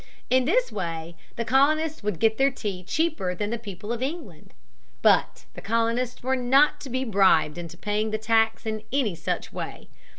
In this way the colonists would get their tea cheaper than the people of England. But the colonists were not to be bribed into paying the tax in any such way.